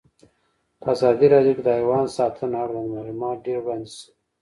په ازادي راډیو کې د حیوان ساتنه اړوند معلومات ډېر وړاندې شوي.